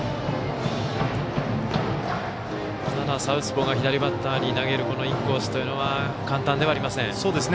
サウスポーが左バッターに投げるインコースというのは簡単ではありません。